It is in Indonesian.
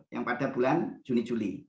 yang pada bulan juni juli